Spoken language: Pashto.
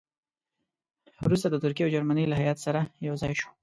وروسته د ترکیې او جرمني له هیات سره یو ځای شو.